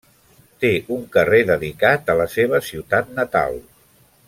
Té un carrer dedicat a la seva ciutat natal.